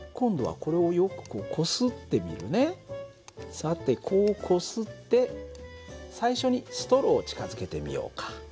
さてこうこすって最初にストローを近づけてみようか。